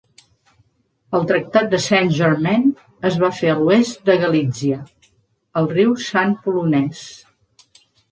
El Tractat de Saint-Germain es va fer a l'oest de Galítsia, al riu San polonès.